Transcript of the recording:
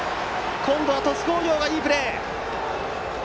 今度は鳥栖工業がいいプレー。